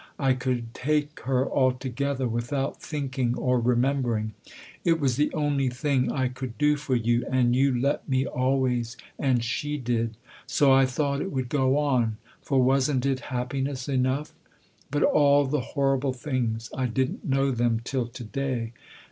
I could take her altogether, without thinking or remembering. It was the only thing I could do for you, and you let me, always, and she did. So I thought it would go on, for wasn't it happiness enough ? But all the horrible things I didn't know them till to day